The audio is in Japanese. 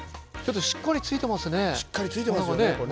しっかりついていますね。